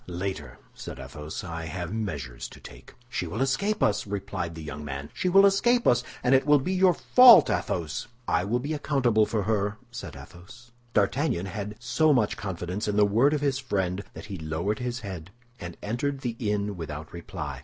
"Later," said Athos. "I have measures to take." "She will escape us," replied the young man; "she will escape us, and it will be your fault, Athos." "I will be accountable for her," said Athos. D'Artagnan had so much confidence in the word of his friend that he lowered his head, and entered the inn without reply.